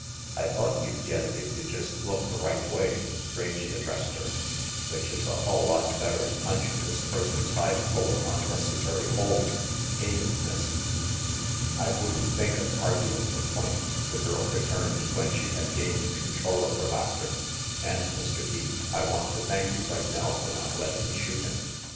"I thought you'd get it if you'd jest look the right way," Rangy addressed her, "which is a hull lot better'n punchin' this person's hide full of onnec essary holes, ain't it, Miss?" "I wouldn't think of arguing the point," the girl returned when she had gained control of her laughter, "and, Mr, Pete, I want to thank you right now for not letting me shoot him."